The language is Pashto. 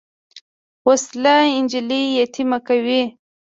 وسله نجلۍ یتیمه کوي